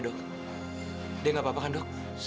orang kan enople untuk proteksi